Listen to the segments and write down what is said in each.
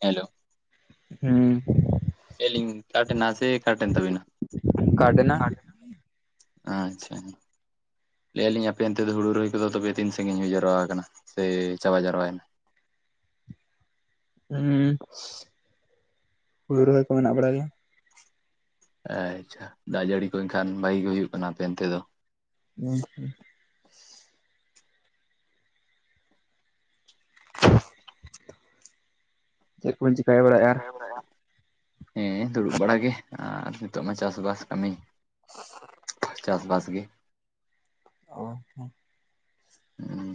Hello. ᱦᱩᱸ᱾ ᱪᱮᱫ ᱞᱤᱧ ᱢᱮ [unintelligible] ᱠᱟᱴᱮᱱ ᱛᱟᱵᱮᱱᱟ ᱜᱟᱰᱱᱟ ᱠᱟᱴ ᱮᱱᱟ᱾ ᱟᱪᱪᱷᱟ᱾ ᱞᱟᱹᱭ ᱟᱹᱞᱤᱧ ᱟᱯᱮ ᱚᱱᱛᱮ ᱫᱚ ᱦᱩᱲᱩ ᱨᱚᱦᱩᱭ ᱠᱚᱫᱚ ᱛᱚᱵᱮ ᱛᱤᱱ ᱥᱟᱺᱜᱤᱧ ᱦᱩᱭ ᱡᱟᱨᱟᱣᱟ ᱟᱠᱟᱱᱟ, ᱥᱮ ᱪᱟᱵᱟ ᱡᱟᱣᱨᱟᱭᱮᱱᱟ? ᱩᱸ ᱦᱩᱲᱩ ᱨᱚᱦᱚᱭ ᱠᱚ ᱢᱮᱱᱟᱜ ᱵᱟᱲᱟ ᱜᱮᱭᱟ᱾ ᱟᱪᱪᱷᱟ, ᱫᱟᱜ ᱡᱟᱹᱲᱤ ᱠᱚ ᱮᱱᱠᱷᱟᱱ ᱵᱷᱟᱜᱤ ᱜᱮ ᱦᱩᱭᱩᱜ ᱠᱟᱱᱟ ᱟᱯᱮ ᱚᱱᱛᱮ ᱫᱚ? [inaudible] ᱪᱮᱫ ᱠᱚᱵᱤᱱ ᱪᱮᱠᱟ ᱵᱟᱲᱟᱭᱮᱜ-ᱟ? ᱦᱮᱸ ᱫᱩᱲᱩᱵ ᱵᱟᱲᱟ ᱜᱮ, ᱟᱨ ᱱᱤᱛᱚᱜ ᱢᱟ ᱪᱟᱥᱵᱟᱥ ᱠᱟᱹᱢᱤ᱾ [inaudible] ᱪᱟᱥᱵᱟᱥ ᱜᱮ᱾ ᱚ ᱦᱮᱸ᱾ ᱦᱩᱸ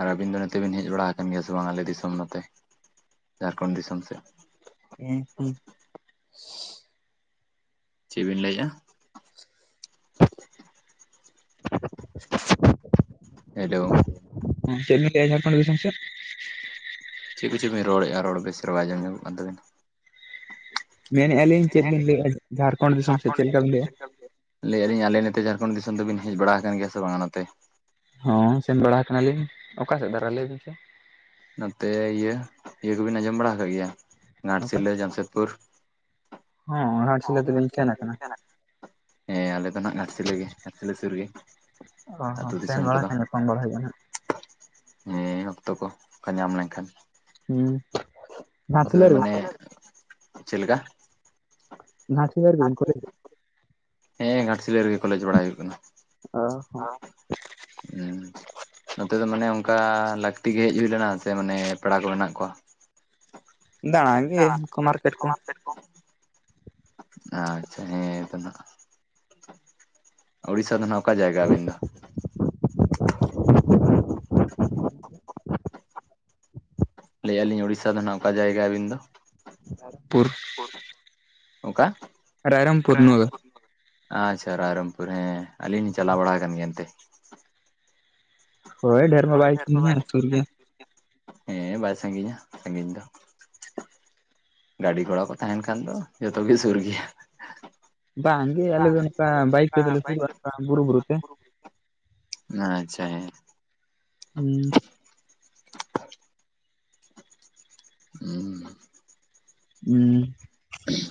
ᱟᱨ ᱟᱹᱵᱤᱱ ᱫᱚ ᱱᱚᱛᱮ ᱵᱤᱱ ᱦᱮᱡ ᱵᱟᱲᱟ ᱟᱠᱟᱱ ᱜᱮᱭᱟ ᱥᱮ ᱵᱟᱝ ᱟᱞᱮ ᱫᱤᱥᱚᱢ ᱱᱚᱛᱮ, ᱡᱷᱟᱲᱠᱷᱚᱸᱰ ᱫᱤᱥᱚᱢ ᱥᱮᱫ? [inaudible] ᱪᱮᱫ ᱵᱤᱱ ᱞᱟᱹᱭᱮᱜᱼᱟ? [inaudible] ᱦᱮᱞᱳ᱾ ᱪᱮᱫ ᱵᱤᱱ ᱞᱟᱹᱭᱮᱜ-ᱟ ᱡᱷᱟᱲᱠᱷᱚᱱᱰ ᱫᱤᱥᱚᱢ ᱥᱮᱫ? ᱪᱮᱫ ᱠᱚᱪᱚ ᱵᱤᱱ ᱨᱚᱲᱮᱜᱼᱟ ᱨᱚᱲ ᱵᱮᱥ ᱪᱮᱨᱦᱟ ᱵᱟᱭ ᱟᱡᱚᱢ ᱧᱚᱜ ᱠᱟᱱ ᱛᱟᱵᱮᱱᱟ᱾ ᱢᱮᱱᱮᱜᱼᱟ ᱞᱤᱧ ᱪᱮᱫ ᱵᱤᱱ ᱞᱟᱹᱭᱮᱜᱼᱟ ᱡᱷᱟᱲᱠᱷᱚᱸᱰ ᱫᱤᱥᱚᱢ ᱥᱮᱫ ᱪᱮᱫ ᱞᱮᱠᱟᱵᱤᱱ ᱞᱟᱹᱭᱟ᱾ ᱞᱟᱹᱭᱮᱜᱼᱟ ᱞᱤᱧ ᱟᱞᱮ ᱱᱚᱛᱮ ᱡᱷᱟᱲᱠᱷᱚᱸᱰ ᱫᱤᱥᱚᱢ ᱫᱚᱵᱤᱱ ᱦᱮᱡ ᱵᱟᱲᱟ ᱟᱠᱟᱱ ᱜᱮᱭᱟ ᱥᱮ ᱵᱟᱝᱟ ᱱᱚᱛᱮ? ᱦᱚᱸ ᱥᱮᱱ ᱵᱟᱲᱟ ᱠᱟᱱᱟᱞᱤᱧ᱾ ᱚᱠᱟ ᱥᱮᱫ ᱫᱷᱟᱨᱟ ᱞᱟᱹᱭ ᱵᱤᱱ ᱥᱮ? ᱱᱚᱛᱮ ᱤᱭᱟᱹ ᱤᱭᱟᱹ ᱠᱚᱵᱤᱱ ᱟᱸᱡᱚᱢ ᱵᱟᱲᱟ ᱠᱟᱜ ᱜᱮᱭᱟ ᱚᱠᱟ ᱜᱷᱟᱴᱥᱤᱞᱟᱹ ᱡᱟᱢᱥᱮᱫᱽᱯᱩᱨ? ᱦᱚᱸ ᱜᱷᱟᱴᱥᱤᱞᱟᱹ ᱫᱚᱞᱤᱧ ᱥᱮᱱ ᱟᱠᱟᱱᱟ᱾ ᱦᱮᱸ ᱟᱞᱮ ᱫᱚ ᱱᱟᱜ ᱜᱷᱟᱴᱥᱤᱞᱟᱹ ᱜᱮ ᱜᱷᱟᱴᱥᱤᱞᱟᱹ ᱥᱩᱨ ᱜᱮ᱾ ᱚ ᱦᱚᱸ ᱟᱹᱛᱩ ᱥᱮᱱ ᱫᱤᱥᱚᱢ ᱵᱟᱲᱟ ᱠᱚᱫᱚ ᱠᱷᱟᱱ ᱧᱟᱯᱚᱢ ᱵᱟᱲᱟ ᱦᱩᱭᱩᱜᱼᱟ ᱱᱟᱜ᱾ ᱦᱮᱸ ᱚᱠᱛᱚ ᱠᱚ ᱚᱝᱠᱟ ᱧᱟᱢ ᱞᱮᱱ ᱠᱷᱟᱱ᱾ ᱦᱩᱸ᱾ ᱜᱹᱟ ᱜᱷᱟᱴᱥᱤᱞᱟᱹ ᱨᱮ ᱢᱟᱱᱮ ᱪᱮᱫ ᱞᱮᱠᱟ? ᱜᱷᱟᱴᱥᱤᱞᱟᱹ ᱨᱮᱜᱮᱵᱤᱱ ᱠᱚᱞᱮᱡᱽ ᱦᱮᱸ ᱜᱷᱟᱴᱥᱤᱞᱟᱹ ᱨᱮᱜᱮ ᱠᱚᱞᱮᱡᱽ ᱵᱟᱲᱟᱭ ᱦᱩᱭᱩᱜ ᱠᱟᱱᱟ, ᱚ ᱦᱚᱸ ᱦᱩᱸ᱾ ᱱᱚᱛᱮ ᱫᱚ ᱢᱟᱱᱮ ᱚᱱᱠᱟ ᱞᱟᱹᱠᱛᱤ ᱜᱮ ᱦᱮᱡ ᱦᱩᱭ ᱞᱮᱱᱟ ᱥᱮ ᱢᱟᱱᱮ ᱯᱮᱲᱟ ᱠᱚ ᱢᱮᱱᱟᱜ ᱠᱚᱣᱟ? ᱫᱟᱬᱟᱱ [inaudible] ᱜᱮ ᱚᱱᱠᱟ ᱢᱟᱨᱠᱮᱴ ᱠᱚ ᱟᱪᱪᱷᱟ ᱦᱮᱸ ᱛᱚ ᱱᱟᱦᱟᱜ᱾ ᱩᱲᱤᱥᱥᱟ ᱫᱚ ᱱᱟᱜ ᱚᱠᱟ ᱡᱟᱭᱜᱟ ᱟᱹᱵᱤᱱ ᱫᱚ? ᱞᱟᱹᱭᱮᱜ-ᱟ ᱞᱤᱧ ᱩᱲᱤᱥᱥᱟ ᱫᱚ ᱱᱟᱦᱟᱜ ᱚᱠᱟ ᱡᱟᱭᱜᱟ ᱟᱹᱵᱤᱱ ᱫᱚ? [inaudible] ᱯᱩᱨ᱾ ᱚᱠᱟ ᱨᱟᱭᱨᱚᱢᱯᱩᱨ ᱱᱚᱣᱟ ᱫᱚ ᱨᱟᱭᱨᱟᱝᱯᱩᱨ, ᱟᱪᱷᱟ ᱨᱟᱭᱨᱟᱝᱯᱩᱨ ᱦᱮᱸ᱾ ᱟᱹᱞᱤᱧ ᱞᱤᱧ ᱪᱟᱞᱟᱣ ᱵᱟᱲᱟ ᱟᱠᱟᱱ ᱜᱮᱭᱟ ᱮᱱᱛᱮ᱾ ᱦᱳᱭ ᱰᱷᱮᱨ ᱢᱟ ᱵᱟᱭ ᱡᱤᱞᱤᱧᱟ ᱥᱩᱨ ᱜᱮᱭᱟ᱾ ᱦᱮᱸ ᱵᱟᱭ ᱥᱟᱺᱜᱤᱧᱟ ᱥᱟᱺᱜᱤᱧ ᱫᱚ᱾ ᱜᱟᱹᱰᱤ ᱜᱷᱚᱲᱟ ᱠᱚ ᱛᱟᱦᱮᱱ ᱠᱷᱟᱱ ᱫᱚ ᱡᱚᱛᱚ ᱜᱮ ᱥᱩᱨ ᱜᱮᱭᱟ᱾ ᱵᱟᱝ ᱜᱮ ᱟᱞᱮ ᱫᱚ ᱱᱚᱝᱠᱟ ᱵᱟᱭᱤᱠ ᱛᱮ ᱫᱚᱞᱮ ᱥᱩᱨᱩ-ᱟ ᱱᱚᱝᱠᱟ ᱵᱩᱨᱩ ᱵᱩᱨᱩ ᱛᱮ᱾ ᱟᱪᱪᱷᱟ ᱦᱮᱸ᱾ ᱦᱩᱸ᱾ ᱩᱸ᱾ ᱩᱸ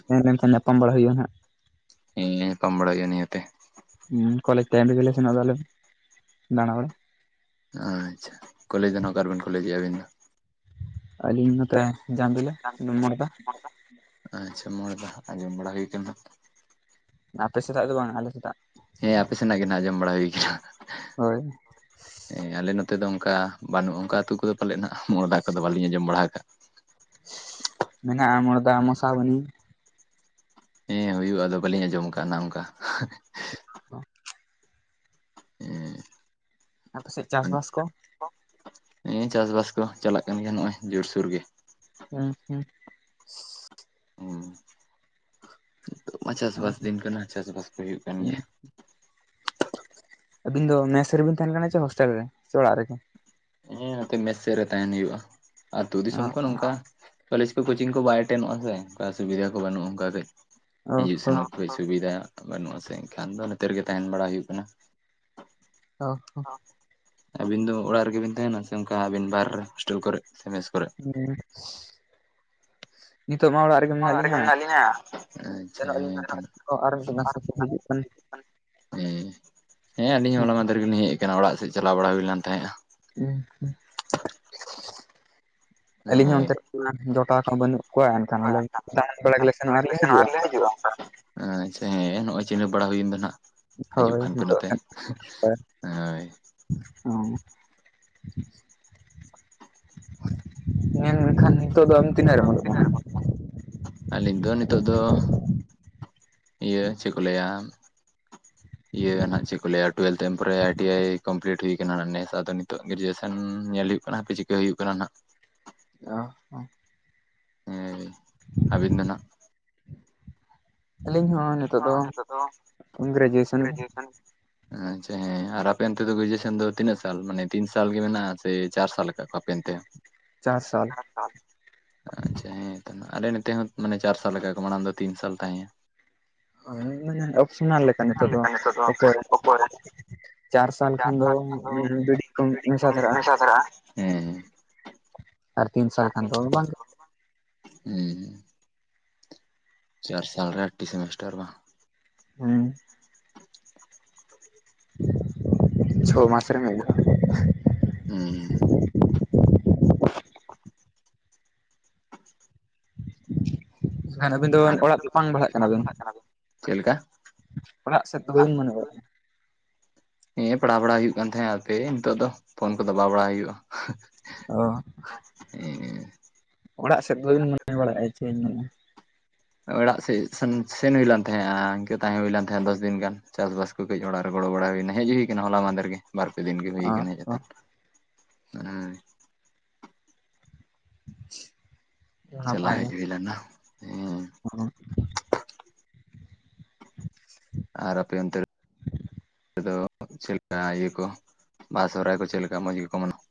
ᱥᱮᱱ ᱞᱮᱱᱠᱷᱟᱱ ᱧᱟᱯᱟᱢ ᱵᱟᱲᱟ ᱦᱩᱭᱩᱜᱼᱟ ᱱᱟᱦᱟᱜ᱾ ᱦᱮᱸ ᱧᱟᱯᱟᱢ ᱵᱟᱲᱟ ᱜᱮ ᱱᱤᱦᱟᱹᱛᱮ᱾ ᱦᱮᱸ ᱠᱚᱞᱮᱡᱽ ᱴᱟᱭᱤᱢ ᱨᱮᱜᱮ ᱞᱮ ᱥᱮᱱᱚᱜ ᱫᱚ ᱟᱯᱮ ᱦᱚ ᱫᱟᱬᱟ ᱵᱟᱲᱟ ᱾ ᱟᱪᱪᱷᱟ ᱠᱚᱞᱮᱡ ᱫᱚ ᱱᱟᱦᱟᱜ ᱚᱠᱟᱨᱵᱮᱱ ᱠᱚᱞᱮᱡᱮᱜ-ᱟ ᱟᱹᱵᱤᱱ ᱫᱚ? ᱟᱞᱤᱧ ᱱᱚᱛᱮ [unintelligible] [unintelligible] ᱢᱚᱲᱫᱟ ᱾ ᱟᱪᱪᱷᱟ ᱢᱚᱲᱫᱟ ᱟᱸᱡᱚᱢ ᱵᱟᱲᱟ ᱦᱩᱭ ᱠᱟᱱᱟ ᱱᱟᱦᱟᱜ ᱾ ᱟᱯᱮ ᱥᱮᱫᱟᱜ ᱫᱚ ᱵᱟᱝ ᱟᱞᱮ ᱥᱮᱫᱟᱜ ᱾ ᱦᱮᱸ ᱟᱯᱮ ᱥᱮᱱᱟᱜ ᱜᱮ ᱱᱟᱜ ᱟᱸᱡᱚᱢ ᱵᱟᱲᱟ ᱦᱩᱭ ᱠᱟᱱᱟ ᱾ ᱦᱳᱭ ᱾ ᱦᱮᱸ ᱟᱞᱮ ᱱᱚᱛᱮ ᱫᱚ ᱚᱱᱠᱟ ᱵᱟᱹᱱᱩᱜ-ᱟ ᱚᱱᱠᱟ ᱟᱹᱛᱩ ᱠᱚᱫᱚ ᱯᱟᱞᱮᱫ ᱱᱟᱜ ᱢᱚᱬᱫᱟ ᱠᱚᱫᱚ ᱵᱟᱞᱤᱧ ᱟᱸᱡᱚᱢ ᱵᱟᱲᱟ ᱟᱠᱟᱫ-ᱟ ᱾ ᱢᱮᱱᱟᱜ-ᱟ ᱢᱚᱬᱫᱟ ᱢᱚᱥᱟ ᱵᱚᱱᱤ ᱾ ᱦᱮᱸ ᱦᱩᱭᱩᱜ-ᱟ ᱟᱫᱚ ᱵᱟᱹᱞᱤᱧ ᱟᱸᱡᱚᱢ ᱟᱠᱟᱫ-ᱟ ᱱᱚᱝᱠᱟ ᱾ [inaudible] ᱟᱯᱮ ᱥᱮᱫ ᱪᱟᱥ ᱵᱟᱥ ᱠᱚ ᱦᱮᱸ ᱪᱟᱥ ᱵᱟᱥ ᱠᱚ ᱪᱟᱞᱟᱜ ᱠᱟᱱ ᱜᱮᱭᱟ ᱱᱚᱜ-ᱚᱭ ᱡᱳᱨᱥᱳᱨ ᱜᱮ ᱾ ᱦᱩᱸ ᱦᱩᱸ ᱾ ᱦᱮᱸ [inaudible] ᱱᱤᱛᱚᱜ ᱢᱟ ᱪᱟᱥᱵᱟᱥ ᱫᱤᱱ ᱠᱟᱱᱟ ᱪᱟᱥᱵᱟᱥ ᱠᱚ ᱦᱩᱭᱩᱜ ᱠᱟᱱ ᱜᱮᱭᱟ ᱾ ᱟᱹᱵᱤᱱ ᱫᱚ ᱢᱮᱥ ᱨᱮᱵᱤᱱ ᱛᱟᱦᱮᱱ ᱠᱟᱱᱟ ᱥᱮ ᱦᱳᱥᱴᱮᱞ ᱨᱮ ᱥᱮ ᱚᱲᱟᱜ ᱨᱮᱜᱮ? ᱦᱮᱸ ᱱᱚᱛᱮ ᱢᱮᱥ ᱥᱮᱫ ᱨᱮ ᱛᱟᱦᱮᱱ ᱦᱩᱭᱩᱜ-ᱟ᱾ ᱟᱛᱩ ᱫᱤᱥᱚᱢ ᱠᱷᱚᱱ ᱚᱱᱠᱟ ᱠᱚᱞᱮᱡᱽ ᱠᱚ ᱠᱳᱪᱤᱝ ᱠᱚ ᱵᱟᱭ ᱮᱴᱮᱱᱚᱜ-ᱟ ᱥᱮ ᱚᱱᱠᱟ ᱥᱩᱵᱤᱫᱷᱟ ᱠᱚ ᱵᱟᱹᱱᱩᱜ-ᱟ ᱚᱱᱠᱟᱛᱮ ᱚ ᱦᱤᱡᱩᱜ ᱦᱚ ᱥᱮᱱᱚᱜ ᱾ ᱠᱟᱹᱡ ᱥᱩᱵᱤᱫᱷᱟ ᱵᱟᱹᱱᱩᱜ ᱟᱥᱮ ᱮᱱᱠᱷᱟᱱ ᱫᱚ ᱱᱚᱛᱮ ᱨᱮᱜᱮ ᱛᱟᱦᱮᱱ ᱵᱟᱲᱟ ᱦᱩᱭᱩᱜ ᱠᱟᱱᱟ ᱾ ᱚ ᱦᱚᱸ ᱾ ᱟᱹᱵᱤᱱ ᱫᱚ ᱚᱲᱟᱜ ᱨᱮᱜᱮ ᱵᱤᱱ ᱛᱟᱦᱮᱱᱟ ᱥᱮ ᱚᱱᱠᱟ ᱟᱹᱵᱤᱱ ᱵᱟᱨ ᱦᱳᱥᱴᱮᱞ ᱠᱚᱨᱮ ᱥᱮ ᱢᱮᱥ ᱠᱚᱨᱮᱜ? ᱦᱮᱸ ᱾ [inaudible] ᱱᱤᱛᱚᱜ ᱢᱟ ᱚᱲᱟᱜ ᱨᱮᱜᱮ ᱢᱮᱱᱟᱜ ᱞᱤᱧᱟ [inaudible] ᱟᱪᱪᱷᱟ ᱥᱮᱱᱚᱜ ᱟᱹᱞᱤᱧ ᱦᱮᱸ ᱛᱟᱦᱞᱮ ᱦᱟᱸᱜ [unintelligible] ᱦᱤᱡᱩᱜ ᱠᱟᱱᱟ ᱾ ᱦᱮᱸ ᱦᱮᱸ ᱟᱹᱞᱤᱧ ᱦᱚᱸ ᱦᱚᱞᱟ ᱢᱟᱦᱫᱷᱮᱨ ᱨᱮ ᱜᱮᱞᱤᱧ ᱦᱮᱡ ᱟᱠᱟᱱᱟ ᱚᱲᱟᱜ ᱥᱮᱫ ᱪᱟᱞᱟᱣ ᱵᱟᱲᱟ ᱦᱩᱭ ᱞᱮᱱ ᱛᱟᱦᱮᱸᱜ-ᱟ ᱾ ᱟᱪᱪᱷᱟ ᱾ [inaudible] ᱟᱹᱞᱤᱧ ᱦᱚᱸ ᱦᱳᱭ ᱚᱱᱛᱮ ᱡᱚᱴᱟᱣ ᱠᱚ ᱵᱟᱹᱱᱩᱜ ᱠᱚᱣᱟ ᱮᱱᱠᱷᱟᱱ ᱟᱞᱮ ᱫᱟᱲᱟᱱ ᱵᱟᱲᱟ ᱜᱮᱞᱮ ᱥᱮᱱᱚᱜ-ᱟ ᱟᱨ ᱞᱮ ᱦᱤᱡᱩᱜ-ᱟ ᱚᱱᱠᱟ ᱾ ᱟᱪᱪᱷᱟ ᱦᱮᱸ ᱱᱚᱜ-ᱚᱭ ᱪᱤᱱᱦᱟᱹᱯ ᱵᱟᱲᱟ ᱦᱩᱭᱮᱱ ᱫᱚ ᱱᱟᱦᱟᱜ ᱾ ᱦᱤᱡᱩᱜ ᱦᱳᱭ ᱠᱷᱟᱱ ᱯᱮ ᱱᱤᱛᱚᱜ ᱱᱚᱛᱮ [inaudible] ᱦᱳᱭ ᱾ ᱚ ᱾ [inaudible] ᱛᱮᱦᱮᱧ ᱮᱱᱠᱷᱟᱱ ᱱᱤᱛᱚᱜ ᱫᱚ ᱟᱢ ᱛᱤᱱᱟᱹᱜ ᱨᱮᱢ ᱚᱞᱚᱜ ᱠᱟᱱᱟ? ᱟᱹᱞᱤᱧ ᱫᱚ ᱱᱤᱛᱚᱜ ᱫᱚ [inaudible] ᱤᱭᱟᱹ ᱪᱮᱫ ᱠᱚ ᱞᱟᱹᱭᱟ ᱤᱭᱟᱹ ᱱᱟᱦᱟᱜ ᱪᱮᱫ ᱠᱚ ᱞᱟᱹᱭᱟ ᱴᱩᱭᱮᱞ ᱛᱟᱭᱚᱢ ᱯᱚᱨᱮ ᱟᱭ ᱴᱤ ᱟᱭ ᱠᱚᱢᱯᱞᱤᱴ ᱦᱩᱭ ᱠᱟᱱᱟ ᱱᱮᱥ ᱟᱫᱚ ᱱᱤᱛᱚᱜ ᱜᱨᱮᱡᱩᱭᱮᱥᱚᱱ ᱧᱮᱞ ᱦᱩᱭᱩᱜ ᱠᱟᱱᱟ ᱦᱟᱯᱮ ᱪᱤᱠᱟᱹ ᱦᱩᱭᱩᱜ ᱠᱟᱱᱟ ᱱᱟᱜ ᱾ ᱚ ᱾ ᱦᱮᱸ [inaudible] ᱟᱹᱵᱤᱱ ᱫᱚ ᱱᱟᱜ ᱟᱹᱞᱤᱧ ᱦᱚᱸ ᱱᱤᱛᱚᱜ ᱫᱚ [inaudible] ᱜᱨᱮᱡᱩᱭᱮᱥᱚᱱ [inaudible] ᱟᱪᱪᱷᱟ ᱦᱮᱸ ᱟᱨ ᱟᱯᱮ ᱚᱱᱛᱮ ᱫᱚ ᱜᱨᱮᱡᱩᱭᱮᱥᱚᱱ ᱫᱚ ᱛᱤᱱᱟᱹᱜ ᱥᱟᱞ ᱢᱟᱱᱮ ᱛᱤᱱ ᱥᱟᱞ ᱜᱮ ᱢᱮᱱᱟᱜ-ᱟ ᱥᱮ ᱪᱟᱨ ᱥᱟᱞ ᱠᱟᱫ ᱠᱚᱣᱟ ᱟᱯᱮ ᱚᱱᱛᱮ? [inaudible] ᱪᱟᱨ ᱥᱟᱞ ᱾ [inaudible] ᱟᱪᱪᱷᱟ ᱦᱮᱸ ᱛᱚ ᱟᱞᱮ ᱱᱚᱛᱮ ᱦᱚᱸ ᱢᱟᱱᱮ ᱪᱟᱨ ᱥᱟᱞ ᱟᱠᱟᱫ ᱟᱠᱚ ᱢᱟᱲᱟᱝ ᱫᱚ ᱛᱤᱱ ᱥᱟᱞ ᱛᱟᱦᱮᱸ ᱟ ᱾ ᱦᱳᱭ ᱢᱟᱱᱮ ᱚᱯᱥᱚᱱᱟᱞ ᱞᱮᱠᱟ ᱱᱤᱛᱚᱜ ᱫᱚ ᱚᱠᱚᱭ ᱨᱮ ᱾ [inaudible] ᱪᱟᱨ ᱥᱟᱞ ᱠᱷᱟᱱ ᱫᱚ [unintelligible] ᱠᱚ ᱢᱮᱥᱟ ᱛᱟᱨᱟᱜ-ᱟ᱾ ᱵᱟᱝ [inaudible] ᱦᱮᱸ ᱾ ᱪᱟᱨ ᱥᱟᱞ ᱨᱮ ᱟᱴᱴᱤ ᱥᱮᱢᱮᱥᱴᱟᱨ ᱵᱟ? ᱦᱮᱸ᱾ ᱟᱪᱪ [unintelligible] ᱪᱷᱚ ᱢᱟᱥ ᱨᱮ ᱢᱤᱫ ᱫᱷᱟᱣ ᱦᱮᱸ᱾ ᱵᱟᱠᱷᱟᱱ ᱟᱹᱵᱤᱱ ᱫᱚ ᱟᱨ ᱚᱲᱟᱜ [unintelligible] ᱵᱟᱲᱦᱟᱜ ᱠᱟᱱᱟᱵᱤᱱ᱾ ᱪᱮᱫ ᱞᱮᱠᱟ ᱯᱷᱟᱲᱟᱜ ᱥᱮ ᱫᱚ ᱵᱟᱵᱤᱱ ᱢᱚᱱ [inaudible] ᱱᱮᱸᱜ ᱮ ᱯᱟᱲᱦᱟᱣ ᱵᱟᱲᱟ ᱦᱩᱭᱩᱜ ᱠᱟᱱ ᱛᱟᱦᱮᱸᱱᱟ ᱦᱟᱯᱮ ᱱᱤᱛᱚᱜ ᱫᱚ ᱯᱷᱳᱱ ᱠᱚᱫᱚ ᱵᱟ ᱵᱟᱲᱟ ᱦᱩᱭᱩᱜ-ᱟ᱾ ᱚ ᱚᱲᱟᱜ ᱥᱮᱫ ᱫᱚᱵᱤᱱ ᱢᱚᱱᱮ ᱵᱟᱲᱟᱭ-ᱟ ᱪᱮᱫ [inaudible] ᱚᱲᱟᱜ ᱥᱮᱫ ᱥᱮᱱ ᱥᱮᱱ ᱦᱩᱭ ᱞᱮᱱ ᱛᱟᱦᱮᱸᱜ-ᱟ ᱤᱱᱠᱟᱹ ᱛᱟᱦᱮᱸ ᱦᱩᱭᱞᱮᱱ ᱛᱟᱦᱮᱸᱜ-ᱟ ᱫᱚᱥᱫᱤᱱ ᱜᱟᱱ ᱪᱟᱥ-ᱵᱟᱥ ᱠᱟᱹᱡ ᱚᱲᱟᱜ ᱨᱮ ᱜᱚᱲᱚ ᱵᱟᱲᱟ ᱦᱩᱭᱮᱱᱟ ᱦᱮᱡ ᱦᱩᱭ ᱠᱟᱱᱟ ᱦᱚᱞᱟ ᱢᱟᱸᱫᱮ ᱨᱮ ᱜᱮ᱾ ᱵᱟᱨ ᱯᱮ ᱫᱤᱱ ᱜᱮ ᱦᱩᱭ ᱠᱟᱱᱟ ᱦᱮᱡ ᱢᱮᱱᱟ ᱠᱟᱛᱮᱜ ᱦᱩ [unintelligible] ᱪᱟᱞᱟᱣ ᱦᱮᱡ ᱜᱮ ᱦᱩᱭ ᱞᱮᱱᱟ᱾ ᱦᱮᱸ ᱚ᱾ ᱟᱨ ᱟᱯᱮ ᱚᱱᱛᱮ ᱛᱮ ᱫᱚ ᱪᱮᱫ ᱞᱮᱠᱟ ᱤᱭᱟᱹ ᱠᱚ ᱵᱟᱦᱟ ᱥᱚᱦᱚᱨᱟᱭ ᱠᱚ ᱪᱮᱫ ᱞᱮᱠᱟ ᱢᱚᱡᱽ ᱜᱮᱠᱚ ᱢᱟᱱᱟᱣᱟ?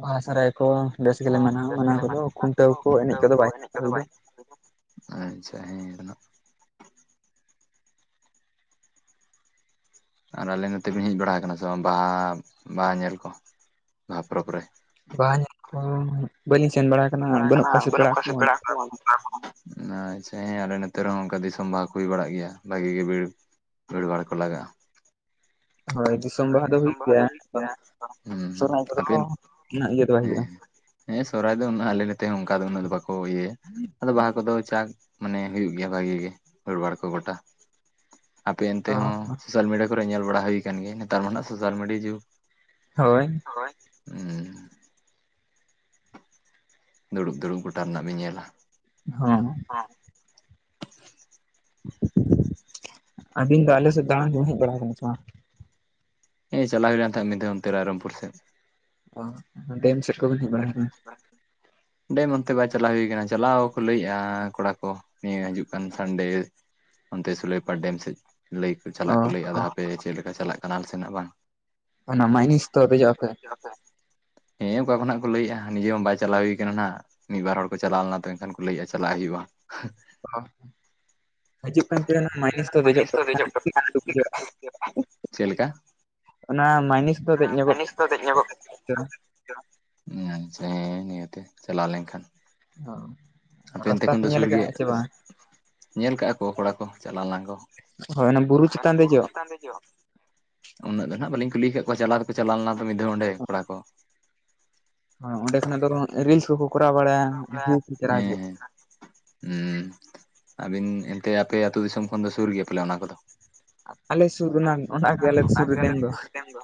ᱵᱟᱦᱟ ᱥᱟᱨᱦᱟᱭ ᱠᱚ ᱵᱮᱥ ᱜᱮᱞᱮ ᱢᱟᱱᱟᱣᱟ ᱢᱟᱱᱟᱣ ᱠᱚᱫᱚ ᱠᱷᱩᱱᱴᱟᱹᱣ ᱠᱚ ᱮᱱᱮᱡ ᱠᱚᱫᱚ ᱵᱟᱭ ᱦᱩᱭ ᱫᱚ ᱟᱪᱪᱷᱟ ᱦᱮᱸ [inaudible] ᱟᱨ ᱟᱞᱮ ᱱᱚᱛᱮ ᱵᱮᱱ ᱦᱮᱡ ᱵᱟᱲᱟ ᱠᱟᱱᱟ ᱥᱮ ᱵᱟᱦᱟ ᱵᱟᱦᱟ ᱧᱮᱞ ᱠᱚ ᱵᱟᱦᱟ ᱯᱚᱨᱚᱵᱽ ᱨᱮ? ᱵᱟᱦᱟ ᱧᱮᱞ ᱠᱚ ᱵᱟᱹᱞᱤᱧ ᱥᱮᱱ ᱵᱟᱲ ᱠᱟᱱᱟ ᱵᱟᱹᱱᱩᱜ ᱠᱚᱣᱟ ᱥᱮ ᱯᱮᱲᱟ ᱠᱚ᱾ ᱟᱪᱪᱷᱟ ᱦᱮᱸ ᱟᱞᱮ ᱱᱮᱛᱮ ᱨᱮᱦᱚᱸ ᱚᱱᱠᱟ ᱫᱤᱥᱚᱢ ᱵᱟᱦᱟ ᱠᱚ ᱦᱩᱭ ᱵᱟᱲᱟᱜ ᱜᱮᱭᱟ ᱵᱷᱟᱹᱜᱤ ᱜᱮ ᱵᱷᱤᱲ ᱵᱷᱤᱲ ᱵᱟᱲ ᱠᱚ ᱞᱟᱜᱟᱜᱼᱟ᱾ ᱦᱳᱭ ᱫᱤᱥᱚᱢ ᱵᱟᱦᱟ ᱫᱚ ᱦᱩᱭᱩᱜ ᱜᱮᱭᱟ, ᱦᱩᱸ [inaudible] ᱦᱩᱸ ᱥᱚᱦᱨᱟᱭ ᱠᱚᱫᱚ ᱟᱯᱮ ᱦᱮᱸ ᱩᱱᱟᱜ ᱤᱭᱟᱹ ᱫᱚ ᱵᱟᱭ ᱦᱩᱭᱩᱜ-ᱟ᱾ ᱦᱮᱸ ᱥᱚᱨᱦᱟᱭ ᱫᱚ ᱩᱱᱟᱹᱜ ᱟᱞᱮ ᱱᱚᱛᱮ ᱚᱱᱠᱟ ᱫᱚ ᱩᱱᱟᱹᱜ ᱫᱚ ᱵᱟᱠᱚ ᱤᱭᱟᱹᱭᱟ ᱟᱫᱚ ᱵᱟᱦᱟ ᱠᱚᱫᱚ ᱡᱟᱠ ᱢᱟᱱᱮ ᱦᱩᱭᱩᱜ ᱜᱮᱭᱟ ᱵᱷᱟᱜᱤ ᱜᱮ ᱵᱷᱤᱲ ᱵᱷᱟᱲ ᱠᱚ ᱜᱚᱴᱟ ᱟᱯᱮ ᱮᱱᱛᱮ ᱦᱚᱸ ᱦᱩᱭᱩᱜᱼᱟ ᱥᱳᱥᱟᱞ ᱢᱤᱰᱤᱭᱟ ᱠᱚᱨᱮ ᱧᱮᱞ ᱵᱟᱲᱟ ᱦᱩᱭᱠᱟᱱ ᱜᱮᱭᱟ ᱱᱮᱛᱟᱨ ᱢᱟ ᱱᱟᱜ ᱥᱳᱥᱟᱞ ᱢᱤᱰᱤᱭᱟ ᱡᱩᱜᱽ ᱦᱳᱭ᱾ ᱦᱳᱭ, ᱦᱩᱸ᱾ ᱫᱩᱲᱩᱵ ᱫᱩᱲᱩᱵ ᱜᱚᱴᱟ ᱨᱮᱱᱟᱜ ᱵᱤᱱ ᱧᱮᱞᱟ᱾ ᱦᱚᱸ᱾ ᱦᱚᱸ᱾ ᱟᱹᱵᱤᱱ ᱫᱚ ᱟᱞᱮᱥᱮᱫ ᱫᱟᱬᱟᱱ ᱠᱚ ᱦᱮᱡ ᱵᱟᱲᱟ ᱠᱟᱱᱟ ᱥᱮ ᱵᱟᱝ? ᱦᱮᱸ ᱪᱟᱞᱟᱣ ᱦᱩᱭ ᱞᱮᱱ ᱛᱟᱦᱮᱸᱫ ᱢᱤᱫ ᱫᱷᱟᱣ ᱚᱱᱛᱮ ᱨᱟᱭᱨᱚᱢᱯᱩᱨ ᱥᱮᱫ᱾ ᱚ ᱰᱮᱢ ᱥᱮᱫ ᱠᱚ ᱵᱤᱱ ᱦᱮᱡ ᱵᱟᱲᱟ ᱠᱟᱱᱟ? ᱰᱮᱢ ᱚᱱᱛᱮ ᱵᱟᱭ ᱪᱟᱞᱟᱣ ᱦᱩᱭ ᱠᱟᱱᱟ ᱪᱟᱞᱟᱣ ᱠᱚ ᱞᱟᱹᱭᱮᱫᱼᱟ ᱠᱚᱲᱟ ᱠᱚ ᱱᱤᱭᱟᱹ ᱦᱤᱡᱩᱜ ᱠᱟᱱ ᱥᱟᱱᱰᱮ ᱚᱱᱛᱮ ᱥᱩᱞᱟᱹᱭ ᱯᱟᱲ ᱰᱮᱢ ᱥᱮᱫ ᱞᱟᱹᱭ ᱟᱠᱚ ᱚ ᱪᱟᱞᱟᱜ ᱠᱚ ᱞᱟᱹᱭᱮᱫᱼᱟ ᱟᱫᱚ ᱦᱟᱯᱮ ᱪᱮᱫ ᱞᱮᱠᱟ ᱪᱟᱞᱟᱜ ᱠᱟᱱᱟ ᱟᱞ ᱥᱮ ᱱᱟᱸᱜ ᱵᱟᱝ? ᱚᱱᱟ ᱢᱟᱭᱤᱱᱤᱥ ᱛᱚ ᱫᱮᱡᱚᱜ ᱟᱯᱮ? ᱦᱮᱸ ᱚᱠᱟ ᱠᱷᱚᱱᱟᱜ ᱠᱚ ᱞᱟᱹᱭᱮᱜᱼᱟ ᱦᱚᱸ ᱢᱟ ᱵᱟᱭ ᱪᱟᱞᱟᱣ ᱦᱩᱭ ᱠᱟᱱᱟ ᱱᱟᱸᱜ ᱢᱤᱫᱵᱟᱨ ᱦᱚᱲ ᱠᱚ ᱪᱟᱞᱟᱣ ᱞᱮᱱᱟ ᱛᱚ ᱮᱱᱠᱷᱟᱱ ᱞᱟᱹᱭᱮᱫᱼᱟ ᱪᱟᱞᱟᱣ ᱦᱩᱭᱩᱜᱼᱟ᱾ [unintelligible] ᱦᱤᱡᱩᱜ ᱠᱷᱟᱱ ᱯᱮ ᱚᱱᱟ ᱢᱟᱭᱱᱤᱥ ᱫᱚ ᱫᱮᱡᱚᱜ ᱯᱮ ᱵᱟᱠᱷᱟᱱ ᱪᱮᱫ ᱞᱮᱠᱟ [unintelligible] ᱚᱱᱟ ᱢᱟᱭᱱᱤᱥ ᱫᱚ ᱫᱮᱡ ᱧᱚᱜᱚᱜ [unintelligible] ᱦᱩᱸ ᱥᱮ ᱱᱤᱭᱟᱹᱛᱮ ᱪᱟᱞᱟᱣ ᱞᱮᱱᱠᱷᱟᱱ ᱟᱯᱮ ᱮᱱᱛᱮ ᱨᱟᱥᱛᱟ ᱠᱷᱚᱱ ᱯᱮ ᱫᱚ ᱧᱮᱞ ᱥᱩᱨ ᱜᱮᱭᱟ? ᱟᱠᱟᱜᱼᱟ ᱥᱮ ᱵᱟᱝ ᱧᱮᱞ ᱠᱟᱜᱼᱟ ᱠᱚ ᱠᱚᱲᱟ ᱠᱚ ᱪᱟᱞᱟᱣ ᱞᱮᱱᱟ ᱠᱚ᱾ ᱦᱳᱭ ᱵᱩᱨᱩ ᱦᱳᱭ ᱚᱱᱟ ᱪᱮᱛᱟᱱ ᱵᱩᱨᱩ ᱫᱮᱡᱚᱜ ᱪᱮᱛᱟᱱ ᱫᱮᱡᱚᱜ? ᱩᱱᱟᱹᱜ ᱫᱚ ᱱᱟᱜ ᱵᱟᱹᱞᱤᱧ ᱠᱩᱞᱤ ᱠᱟ ᱠᱚᱣᱟ ᱪᱟᱞᱟᱣ ᱫᱚᱠᱚ ᱪᱟᱞᱟᱣ ᱞᱮᱱᱟ ᱫᱚ ᱢᱤᱫ ᱫᱷᱟᱣ ᱚᱸᱰᱮ ᱠᱚᱲᱟ ᱠᱚ᱾ ᱦᱚᱸ ᱚᱸᱰᱮ ᱠᱷᱚᱱᱟᱜ ᱫᱚ ᱨᱤᱞᱥ ᱠᱚᱠᱚ ᱠᱚᱨᱟᱣ ᱵᱟᱲᱟᱭᱟ ᱡᱷᱤ ᱪᱮᱦᱨᱟ ᱦᱤᱡᱩ᱾ ᱦᱩᱸᱻ ᱟᱵᱤᱱ ᱮᱱᱛᱮ ᱟᱯᱮ ᱟᱹᱛᱩ ᱫᱤᱥᱚᱢ ᱠᱷᱚᱱ ᱫᱚ ᱥᱩᱨ ᱜᱮᱭᱟ ᱯᱟᱞᱮ ᱚᱱᱟ ᱠᱚᱫᱚ᱾ ᱟᱞᱮ ᱥᱩᱨ ᱨᱮᱱᱟᱝ᱾ [inaudible] ᱰᱮᱢ ᱫᱚ᱾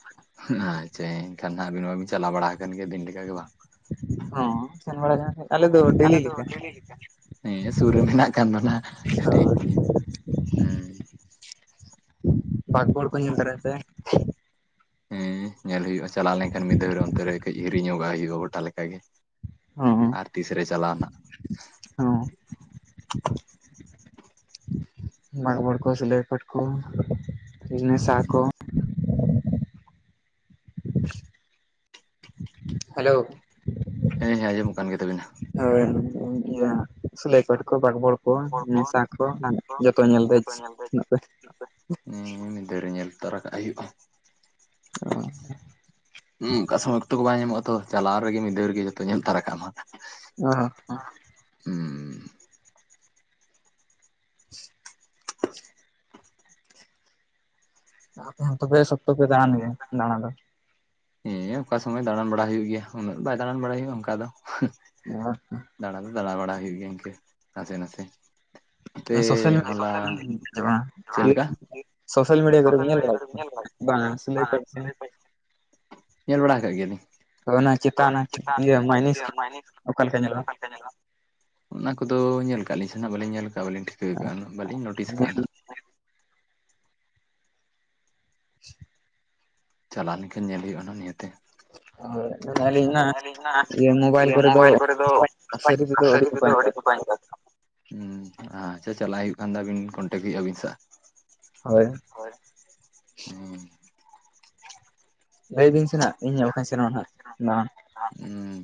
ᱟᱪᱪᱷᱟ ᱮᱱᱠᱷᱟᱱ ᱟᱵᱤᱱ ᱢᱟᱵᱤᱱ ᱪᱟᱞᱟᱣ ᱵᱟᱲᱟ ᱟᱠᱟᱱ ᱜᱮᱭᱟ ᱫᱤᱱ ᱞᱮᱠᱟ ᱜᱮ ᱵᱟᱝ? ᱦᱚᱸ ᱥᱮᱱ ᱵᱟᱲᱟ ᱟᱠᱟᱱᱟ ᱯᱮ, ᱟᱞᱮ ᱫᱚ ᱰᱮᱞᱤ ᱞᱮᱠᱟ᱾ ᱦᱮᱸ ᱥᱩᱨ ᱨᱮ ᱢᱮᱱᱟᱜ ᱠᱷᱟᱱ ᱫᱚᱱᱟ ᱴᱷᱤᱠ ᱜᱮᱭᱟ ᱦᱮᱸ᱾ ᱯᱟᱜᱽ ᱵᱚᱲ ᱠᱚ ᱧᱮᱞ ᱫᱟᱲᱮᱭᱟᱜ ᱛᱮ? ᱦᱮᱸ ᱧᱮᱞ ᱦᱩᱭᱩᱜᱼᱟ ᱪᱟᱞᱟ ᱞᱮᱱᱠᱷᱟᱱ ᱢᱤᱫ ᱫᱷᱟᱣ ᱨᱮᱦᱚᱸ ᱚᱱᱛᱮ ᱨᱮ ᱠᱟᱹᱡ ᱦᱤᱨᱤᱧᱚᱜᱟᱜ ᱦᱩᱭᱩᱜᱼᱟ ᱜᱚᱴᱟ ᱞᱮᱠᱟᱜᱮ᱾ ᱦᱚᱸ ᱟᱨ ᱛᱤᱥᱨᱮ ᱪᱟᱞᱟᱣᱱᱟ᱾ ᱦᱚᱸ᱾ ᱵᱟᱸᱜᱽᱵᱚᱲ ᱠᱚ, ᱥᱩᱞᱟᱹᱭ ᱯᱟᱴ ᱠᱚ, ᱱᱮᱥᱟ ᱠᱚ᱾ ᱦᱮᱞᱳ᱾ ᱦᱮᱸ ᱦᱮᱸ ᱟᱸᱡᱚᱢᱚᱜ ᱠᱟᱱ ᱜᱮ ᱛᱟᱵᱤᱱᱟ᱾ ᱦᱳᱭ ᱤᱭᱟᱹ ᱥᱩᱞᱟᱹᱭ ᱯᱟᱴ ᱠᱚ, ᱵᱟᱜᱽᱵᱚᱲ ᱠᱚ᱾ ᱠᱚ ᱱᱮᱥᱟ ᱠᱚ ᱡᱚᱛᱚ ᱧᱮᱞ ᱫᱮᱡ ᱦᱤᱡᱩᱜ ᱯᱮ᱾ ᱦᱮᱸ ᱢᱤᱫ ᱫᱷᱟᱣ ᱨᱮ ᱧᱮᱞ ᱛᱟᱨᱟ ᱠᱟᱜ ᱦᱩᱭᱩᱜᱼᱟ, ᱦᱩᱸ ᱠᱟᱥᱟ ᱢᱟᱜᱛᱚᱜ ᱵᱟᱭ ᱧᱟᱢᱚᱜ ᱟᱛᱚ᱾ ᱪᱟᱞᱟᱣ ᱨᱮᱜᱮ ᱢᱤᱫ ᱫᱷᱟᱹᱣ ᱨᱮᱜᱮ ᱡᱚᱛᱚ ᱧᱮᱞ ᱛᱟᱨᱟ ᱠᱟᱜ ᱢᱟ᱾ [unintelligible] ᱩᱸᱻ [inaudible] ᱟᱯᱮ ᱦᱚᱸ ᱛᱚᱵᱮ ᱥᱚᱠᱛᱚ ᱯᱮ ᱫᱟᱬᱟᱱ ᱜᱮᱭᱟ ᱫᱟᱬᱟ ᱫᱚ᱾ ᱦᱮᱸ ᱚᱠᱟ ᱥᱚᱢᱚᱭ ᱫᱟᱬᱟᱱ ᱵᱟᱲᱟᱭ ᱦᱩᱭᱩᱜ ᱜᱮᱭᱟ, ᱩᱱᱟᱹᱜ ᱵᱟᱭ ᱫᱟᱬᱟᱱ ᱵᱟᱲᱟᱭ ᱦᱩᱭᱩᱜᱼᱟ ᱚᱱᱠᱟ ᱫᱚ᱾ [unintelligible] ᱫᱟᱬᱟᱱ ᱫᱚ ᱫᱟᱬᱟ ᱵᱟᱲᱟᱭ ᱦᱩᱭᱩᱜ ᱜᱮᱭᱟ ᱤᱱᱠᱟᱹ ᱱᱟᱥᱮ ᱱᱟᱥᱮ᱾ ᱚᱱᱛᱮ ᱥᱳᱥᱟᱞ ᱦᱚᱞᱟ [inaudible] ᱪᱮᱫ ᱞᱮᱠᱟ ᱥᱳᱥᱟᱞ ᱢᱤᱰᱤᱭᱟ ᱠᱚᱨᱮ ᱵᱤᱱ ᱧᱮᱞ ᱵᱟᱲᱟᱭ ᱠᱚᱣᱟ, ᱵᱟᱝ ᱥᱩᱞᱟᱹᱭᱯᱟᱦᱤ ᱰᱮᱢ᱾ ᱧᱮᱞ ᱵᱟᱲᱟ ᱠᱟᱜ ᱜᱮᱭᱟᱞᱤᱧ᱾ ᱛᱚ ᱚᱱᱟ ᱪᱮᱛᱟᱱ ᱤᱭᱟᱹ ᱢᱟᱭᱱᱤᱥ ᱚᱠᱟ ᱞᱮᱠᱟ ᱧᱮᱞᱚᱜᱼᱟ? [unintelligible] ᱚᱱᱟ ᱠᱚᱫᱚ ᱧᱮᱞ ᱠᱟᱜ ᱞᱤᱧ ᱥᱮ ᱱᱟᱸᱜ ᱵᱟᱹᱞᱤᱧ ᱧᱮᱞ ᱠᱟᱜᱼᱟ ᱵᱟᱹᱞᱤᱧ ᱴᱷᱤᱠᱟᱹ ᱠᱟᱜᱼᱟ, ᱵᱟᱹᱞᱤᱧ ᱱᱳᱴᱤᱥ ᱧᱮᱞ ᱠᱟᱜᱼᱟ ᱱᱟᱸᱜ᱾ [inaudible] ᱪᱟᱞᱟᱣᱞᱮᱱᱠᱷᱟᱱ ᱧᱮᱞ ᱦᱩᱭᱩᱜᱼᱟ ᱱᱟᱸᱜ ᱱᱤᱭᱟᱹᱛᱮ᱾ [unintelligible] ᱟᱨ ᱤᱧ ᱢᱟ ᱤᱭᱟᱹ ᱢᱳᱵᱟᱭᱤᱞ ᱠᱚᱨᱮ ᱫᱚ ᱥᱟᱹᱨᱤ ᱛᱮᱫᱚ ᱟᱹᱰᱤ [unintelligible] ᱦᱩᱸ ᱟᱪᱪᱷᱟ ᱪᱷᱟ ᱪᱟᱞᱟ ᱦᱩᱭᱩᱜ ᱠᱷᱟᱱᱫᱚ ᱟᱹᱵᱤᱱ ᱠᱚᱱᱴᱮᱠᱴ ᱦᱩᱭᱩᱜᱼᱟ ᱟᱵᱤᱱ ᱥᱟᱶ᱾ ᱦᱚᱭ᱾ ᱦᱳᱭ ᱦᱩᱸ᱾ ᱞᱟᱹᱭ ᱵᱤᱱ ᱥᱮ ᱱᱟᱸᱜ ᱤᱧᱦᱚᱸ ᱜᱚᱴᱟᱧ ᱥᱮᱱᱚᱜᱼᱟ ᱱᱟᱸᱜ ᱫᱟᱬᱟᱱ᱾ ᱟ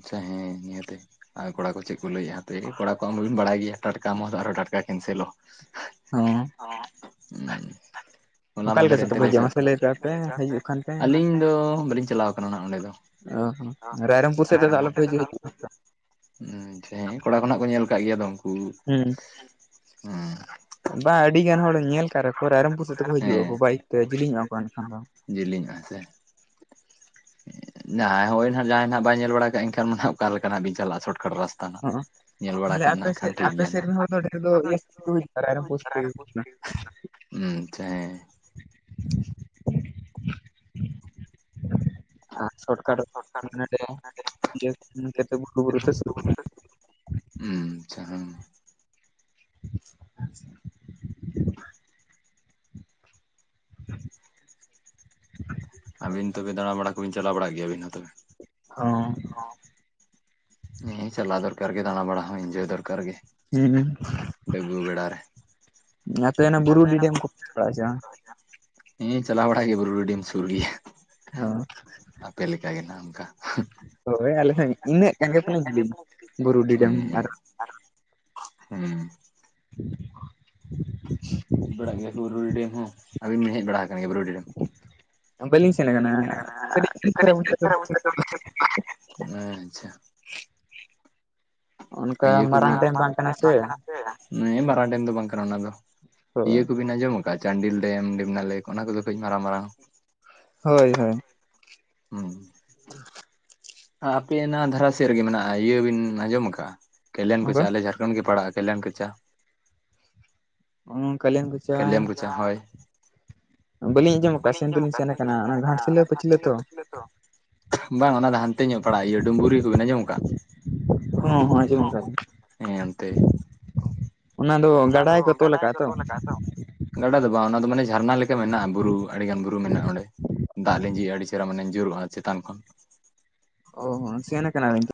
ᱪᱷᱟᱦᱮᱸ ᱱᱤᱭᱟᱹᱛᱮ᱾ ᱟᱨ ᱠᱚᱲᱟ ᱠᱚ ᱪᱮᱫ ᱠᱚ ᱞᱟᱹᱭᱟ ᱦᱟᱯᱮ ᱠᱚᱲᱟ ᱠᱚᱣᱟ ᱢᱟᱵᱤᱱ ᱵᱟᱲᱟᱭ ᱜᱮᱭᱟ, ᱴᱟᱴᱠᱟ ᱢᱚᱛ ᱟᱨ ᱴᱟᱴᱠᱟ ᱠᱮᱱᱥᱮᱞᱚ᱾ ᱦᱚᱸ ᱚ, ᱦᱚᱞᱟ ᱚᱠᱟ ᱞᱮᱠᱟ ᱢᱟᱫᱷᱮᱨ ᱥᱮᱫ ᱮᱱᱛᱮ ᱛᱮᱯᱮ ᱞᱮ ᱦᱤᱡᱩᱜᱼᱟ ᱩᱥᱟᱹ ᱢᱟᱥᱮ ᱞᱟᱹᱭ ᱛᱟᱵ ᱯᱮ ᱦᱤᱡᱩᱜ ᱠᱷᱟᱱ ᱯᱮ [unintelligible] ᱟᱹᱞᱤᱧ᱾ ᱟᱫᱚ ᱵᱟᱹᱞᱤᱧ ᱪᱟᱞᱟᱣ ᱟᱠᱟᱱᱟ ᱟᱱᱟ ᱚᱸᱰᱮ ᱫᱚ᱾ ᱚ ᱨᱟᱭᱨᱟᱢᱯᱩᱨᱩᱨ ᱥᱮᱫ ᱫᱚ ᱟᱫᱚ ᱟᱞᱚᱯᱮ ᱦᱤᱡᱩᱜ-ᱟ [unintelligible] ᱟᱪᱪᱷᱟ ᱦᱮᱸ ᱠᱚᱲᱟ ᱠᱚ ᱱᱟᱜ ᱠᱚ ᱧᱮᱞ ᱠᱟᱜ ᱜᱮᱭᱟ ᱩᱱᱠᱩ, ᱦᱮᱸ ᱵᱟᱝ ᱟᱹᱰᱤᱜᱟᱱ ᱦᱚᱲ ᱧᱮᱞ ᱠᱟᱜ ᱨᱮᱦᱚᱸ ᱠᱚ ᱨᱟᱭᱨᱚᱝᱯᱩᱨ ᱥᱮᱫ ᱛᱮᱠᱚ ᱦᱮᱸ ᱦᱤᱡᱩᱜ-ᱟᱠᱚ ᱵᱟᱭᱤᱠ ᱛᱮ ᱡᱮᱞᱤᱧᱚᱜ-ᱟ ᱠᱚ ᱮᱱᱠᱷᱟᱱ ᱫᱚ᱾ [unintelligible] ᱡᱟᱦᱟᱸᱭ ᱦᱳᱭ ᱱᱟᱦᱟᱸᱜ ᱡᱟᱦᱟᱸᱭ ᱦᱟᱸᱜ ᱵᱟᱭ ᱧᱮᱞ ᱵᱟᱲᱟ ᱠᱟᱜ-ᱟ ᱮᱱᱠᱷᱟᱱ ᱚᱱᱟ ᱦᱟᱸᱜ ᱚᱠᱟᱞᱮᱠᱟ ᱞᱮᱠᱟᱱᱟᱜ ᱵᱤᱱ ᱪᱟᱞᱟᱜ ᱥᱚᱨᱚᱴᱠᱟᱴ ᱨᱟᱥ ᱛᱟᱱᱟᱜ ᱦᱚᱸᱜᱼᱚ ᱧᱮᱞ ᱵᱟᱲᱟ ᱛᱟᱦᱞᱮ ᱠᱷᱟᱱ ᱟᱯᱮ ᱱᱟᱜ ᱠᱷᱟᱱ ᱥᱮᱫ ᱴᱷᱤᱠ ᱟᱯᱮ ᱜᱮᱭᱟ᱾ ᱥᱮᱫ ᱨᱮᱱ ᱦᱚᱲ ᱫᱚ ᱰᱷᱮᱨ ᱫᱚ ᱤᱭᱟᱹ ᱥᱮᱫ ᱛᱮᱠᱚ ᱦᱤᱡᱩᱜᱼᱟ [unintelligible] ᱩ ᱨᱟᱭᱨᱚᱝᱯᱩᱨ ᱥᱮᱫ ᱟᱪᱪᱷᱟ ᱛᱮᱜᱮ ᱦᱮᱸ᱾ [unintelligible] ᱦᱩᱸ ᱟᱪᱪᱷᱟ᱾ [inaudible] [inaudible] ᱟᱵᱤᱱ ᱛᱚᱵᱮ ᱫᱟᱲᱟ ᱵᱟᱟᱲᱲᱟ ᱠᱚᱵᱤᱱ ᱪᱟᱞᱟᱣ ᱵᱟᱲᱟ ᱜᱮᱭᱟ ᱟᱹᱵᱤᱱ ᱦᱚᱸ ᱛᱚᱵᱮ᱾ ᱦᱚᱸ᱾ ᱦᱮ ᱪᱟᱞᱟᱣ ᱫᱚᱨᱠᱟᱨ ᱜᱮ ᱫᱟᱬᱟ ᱵᱟᱲᱟ ᱦᱚᱸ ᱮᱧᱡᱚᱭ ᱫᱚᱨᱟᱨ ᱜᱮ᱾ ᱦᱩᱸ ᱰᱟᱹᱵᱽᱨᱟᱹ ᱵᱮᱲᱟ ᱨᱮ ᱡᱟᱛᱮ ᱚᱱᱮ ᱵᱩᱨᱩ ᱰᱤᱰᱮᱢ ᱠᱚ [unintelligible] ᱦᱮᱸ ᱪᱟᱞᱟᱣ ᱵᱟᱲᱟ ᱜᱮᱭᱟ ᱵᱩᱨᱩ ᱨᱮ ᱰᱤᱢ ᱥᱩᱨ ᱜᱮᱭᱟ᱾ ᱦᱚᱸ ᱟᱯᱮ ᱞᱮᱠᱟ ᱜᱮ ᱱᱟᱜ ᱚᱱᱠᱟ᱾ ᱦᱳᱭ ᱟᱞᱮ ᱦᱚᱸ ᱤᱱᱟᱹᱜ [unintelligible] ᱵᱩᱨᱩ ᱰᱤ ᱦᱮᱸ ᱰᱮᱢ ᱦᱮᱸ ᱟᱨ ᱦᱮᱸ᱾ ᱦᱮᱡ ᱵᱟᱲᱟᱜ ᱜᱮᱭᱟ ᱠᱚ ᱵᱩᱨᱩᱰᱤ ᱰᱮᱢ ᱦᱚᱸ, ᱟᱵᱤᱱ ᱵᱤᱱ ᱦᱮᱡ ᱵᱟᱲᱟ ᱟᱠᱟᱱ ᱜᱮᱭᱟ ᱵᱩᱨᱩᱰᱤ ᱰᱮᱢ? ᱵᱟᱹᱞᱤᱧ ᱥᱮᱱ ᱠᱟᱱᱟ ᱠᱟᱹᱴᱤᱡ ᱟᱪᱪᱷᱟ [unintelligible] ᱚᱱᱠᱟ ᱤᱭᱟᱹ ᱠᱚ ᱢᱟᱨᱟᱝ ᱰᱮᱢ [unintelligible] ᱵᱟᱝ ᱠᱟᱱᱟ ᱥᱮ ᱦᱮᱸ ᱵᱟᱨᱟᱝ ᱰᱮᱢ ᱫᱚ ᱵᱟᱝ ᱠᱟᱱᱟ ᱚᱱᱟ ᱫᱚ, ᱤᱭᱟᱹ ᱦᱳᱭ ᱠᱚᱵᱤᱱ ᱟᱸᱡᱚᱢᱚᱜ ᱪᱟᱱᱰᱤᱞ ᱰᱮᱢ ᱰᱮᱢᱱᱟ ᱞᱮᱠ ᱚᱱᱟ ᱠᱚᱫᱚ ᱠᱟᱹᱡ ᱢᱟᱨᱟᱝ ᱢᱟᱨᱟᱝᱟ᱾ ᱦᱳᱭ ᱦᱳᱭ᱾ ᱦᱩᱸ᱾ [inaudible] ᱟᱯᱮ ᱚᱱᱟ ᱫᱷᱟᱨᱟ ᱥᱮᱫ ᱨᱮᱜᱮ ᱢᱮᱱᱟᱜ-ᱟ ᱤᱭᱟᱹ ᱵᱤᱱ ᱟᱸᱡᱚᱢ ᱠᱟᱜ-ᱟ ᱠᱮᱞᱮᱱ ᱠᱚᱪᱟ ᱦᱳᱭ ᱟᱞᱮ ᱠᱷᱚᱱ ᱜᱮ ᱯᱟᱲᱟᱜ-ᱟ ᱠᱮᱞᱮᱱ ᱠᱷ ᱪᱟ᱾ ᱦᱩᱸ ᱠᱟᱹᱭᱞᱟᱱ ᱠᱚᱪ ᱠᱟᱹᱞᱟᱢ ᱠᱚᱪᱟ ᱦᱳᱭ᱾ ᱵᱟᱹᱞᱤᱧ ᱟᱸᱡᱚᱢ ᱟᱠᱟᱜ-ᱟ ᱥᱮᱱ ᱫᱚᱞᱤᱧ ᱥᱮᱱ ᱠᱟᱱᱟ ᱚᱱᱟ ᱜᱷᱟᱴᱥᱤᱞᱟᱹ ᱯᱟᱹᱪᱞᱟᱹ ᱛᱚ? ᱵᱟᱝ ᱚᱱᱟ ᱫᱚ ᱦᱟᱱᱛᱮ ᱧᱚᱜ ᱯᱟᱲᱟᱜ-ᱟ ᱤᱭᱟᱹ ᱰᱩᱢᱵᱨᱤ ᱠᱚᱵᱮᱱ ᱟᱸᱡᱚᱢ ᱟᱠᱟᱜ-ᱟ? ᱦᱚᱸ ᱦᱚᱸ ᱟᱡᱚᱢ ᱠᱟᱜ ᱟᱹᱞᱤᱧ ᱦᱮᱸ ᱚᱱᱛᱮ ᱾ ᱚᱱᱟ ᱫᱚ ᱜᱟᱰᱟ ᱜᱮ ᱠᱚ ᱛᱚᱞ ᱟᱠᱟᱫ-ᱟ ᱛᱚ? ᱜᱟᱰᱟ ᱫᱚ ᱵᱟᱝ ᱚᱱᱟ ᱫᱚ ᱢᱟᱱᱮ ᱡᱷᱟᱨᱱᱟ ᱞᱮᱠᱟ ᱢᱮᱱᱟᱜ-ᱟ ᱵᱩᱨᱩ ᱟᱹᱰᱤᱜᱟᱱ ᱵᱩᱨᱩ ᱢᱮᱱᱟᱜ-ᱟ ᱚᱸᱰᱮ᱾ ᱫᱟᱜ ᱞᱮᱡᱤ-ᱟ ᱟᱹᱰᱤ ᱪᱮᱦᱨᱟ ᱢᱟᱱᱮ ᱧᱩᱨᱩᱜ-ᱟ ᱪᱮᱛᱟᱱ ᱠᱷᱚᱱ᱾ ᱚ ᱦᱚᱸ ᱥᱮᱱᱟ ᱠᱟᱱᱟᱵᱤᱱ